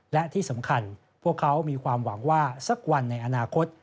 และที่สำคัญพวกเขามีความหวังว่าสักวันในอนาคต